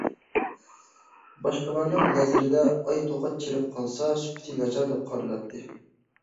باشقىلارنىڭ نەزىرىدە ئاي توقاچ چىرىپ قالسا سۈپىتى ناچار دەپ قارىلاتتى.